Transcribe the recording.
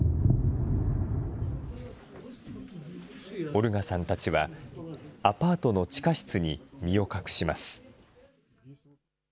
オルガさんたちは、アパートの地下室に身を隠します。